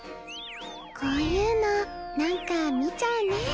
こういうのなんか見ちゃうね。